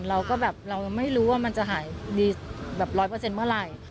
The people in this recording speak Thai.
เราก็แบบเราไม่รู้ว่ามันจะหายดีแบบร้อยเปอร์เซ็นต์เมื่อไหร่